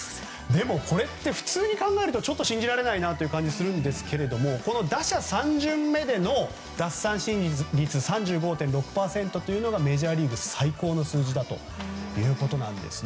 でも、これって普通に考えると信じられないなって感じがするんですけども打者３巡目での奪三振率３５．６％というのがメジャーリーグ最高の数字だということです。